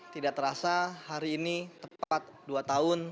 tidak terasa hari ini tepat dua tahun